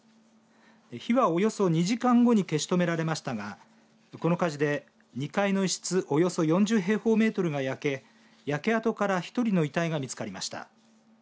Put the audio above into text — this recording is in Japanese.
火は、およそ２時間後に消し止められましたがこの火事で２階の一室およそ４０平方メートルが焼け焼け跡から１人の遺体が見つかりました。